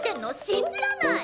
信じらんない！